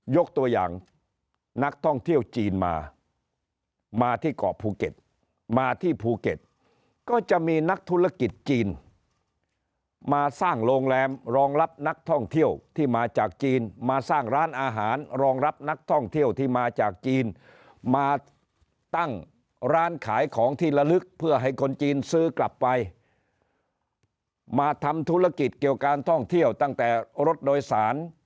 ยกตัวอย่างนักท่องเที่ยวจีนมามาที่เกาะภูเก็ตมาที่ภูเก็ตก็จะมีนักธุรกิจจีนมาสร้างโรงแรมรองรับนักท่องเที่ยวที่มาจากจีนมาสร้างร้านอาหารรองรับนักท่องเที่ยวที่มาจากจีนมาตั้งร้านขายของที่ละลึกเพื่อให้คนจีนซื้อกลับไปมาทำธุรกิจเกี่ยวการท่องเที่ยวตั้งแต่รถโดยสาร